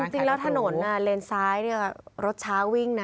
จริงแล้วถนนเลนสายนี่ก็รถช้าวิ่งนะ